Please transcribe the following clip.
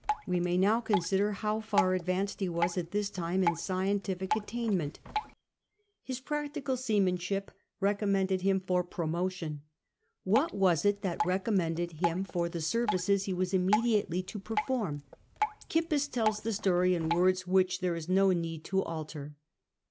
We may now consider how far advanced he was at this time in scientiiic attainment. His practical seaman ship recommended him for promotion. 'What was it that recommended him for the services he was imme diately to perform? Kippis tolls the story in words which Ifchere is no need to alter.